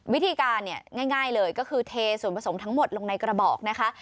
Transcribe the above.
วิธีการเนี่ยง่ายเลยก็คือเทส่วนผสมทั้งหมดลงในกระบอกนะคะ